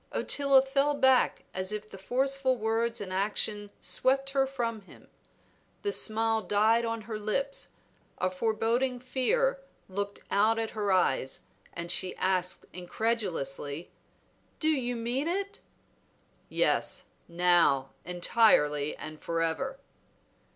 Ottila fell back as if the forceful words and action swept her from him. The smile died on her lips, a foreboding fear looked out at her eyes, and she asked incredulously "Do you mean it?" "Yes; now, entirely, and forever!"